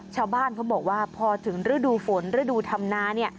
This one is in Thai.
ชาวบ้านเขาบอกว่าพอถึงฤดูฝนฤดูธรรมนาเนี่ย